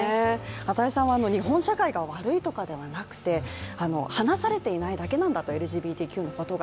與さんは日本社会が悪いというのではなくて話されていないだけで、ＬＧＢＴＱのことが。